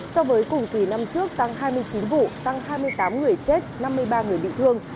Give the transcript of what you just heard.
so với cùng kỳ năm trước tăng hai mươi chín vụ tăng hai mươi tám người chết năm mươi ba người bị thương